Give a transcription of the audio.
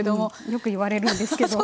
よく言われるんですけど。